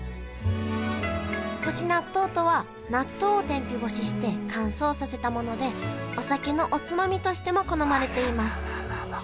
干し納豆とは納豆を天日干しして乾燥させたものでお酒のおつまみとしても好まれていますあらららら。